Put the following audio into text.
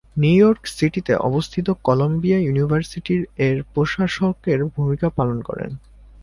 New York সিটিতে অবস্থিত Columbia University এর প্রশাসকের ভূমিকা পালন করে।